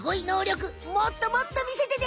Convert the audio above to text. くもっともっとみせてね。